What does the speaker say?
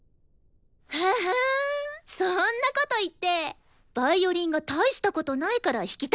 ははんそんなこと言ってヴァイオリンが大したことないから弾きたくないだけでしょ？